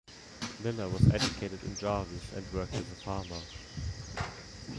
Miller was educated in Jarvis and worked as a farmer.